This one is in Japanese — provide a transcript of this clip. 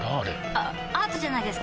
あアートじゃないですか？